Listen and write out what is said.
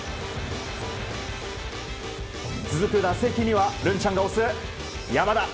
続く打席にはるんちゃんが推す山田。